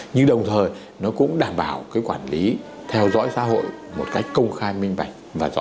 nhưng đồng thời nó cũng đảm bảo cái quản lý theo dõi xã hội một cách công khai minh bạch và rõ